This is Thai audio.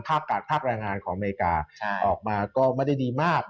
ภาคแรงงานของอเมริกาออกมาก็ไม่ได้ดีมาก